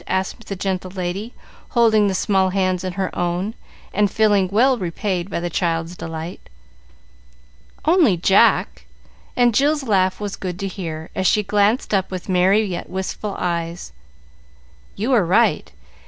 asked the gentle lady, holding the small hands in her own, and feeling well repaid by the child's delight. "Only Jack;" and Jill's laugh was good to hear, as she glanced up with merry, yet wistful eyes. "You are right.